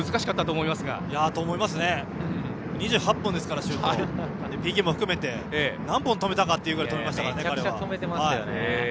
シュートが２８本ですからねＰＫも含めて何本、止めたかというぐらい止めましたからね。